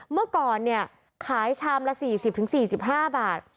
เมื่อก่อนเนี่ยขายชามละ๔๐๔๕บาท